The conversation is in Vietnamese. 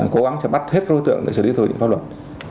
cố gắng bắt hết đối tượng để xử lý thủ định pháp luật